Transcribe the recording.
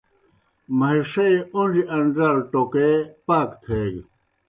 مہِݜے اون٘ڙِیْ ان٘ڙال ٹوکے پاک تھیگہ۔